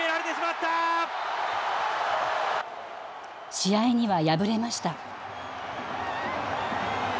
試合には敗れました。